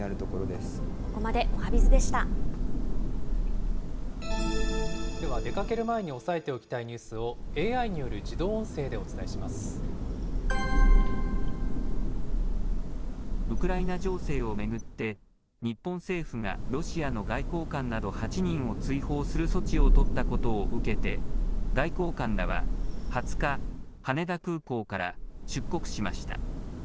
では、出かける前に押さえておきたいニュースをＡＩによる自動音声でおウクライナ情勢を巡って、日本政府がロシアの外交官など、８人を追放する措置を取ったことを受けて、外交官らは２０日、羽田空港から出国しました。